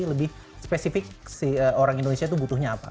lebih spesifik si orang indonesia itu butuhnya apa